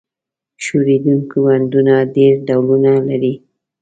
ښورېدونکي بندونه ډېر ډولونه لري.